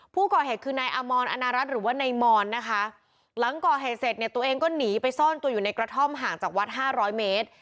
ผู้ก่อเหตุคือนายอมรอนารัฐหรือว่านายมอนนะคะหลังก่อเหตุเสร็จเนี่ยตัวเองก็หนีไปซ่อนตัวอยู่ในกระท่อมห่างจากวัดห้าร้อยเมตร